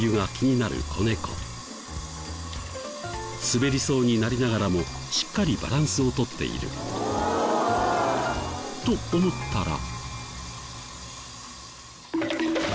滑りそうになりながらもしっかりバランスを取っている。と思ったら。